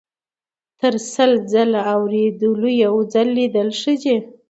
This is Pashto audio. - تر سل ځل اوریدلو یو ځل لیدل ښه دي.